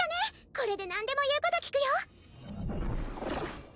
これで何でも言うこと聞くよ